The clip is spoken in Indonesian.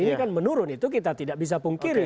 ini kan menurun itu kita tidak bisa pungkiri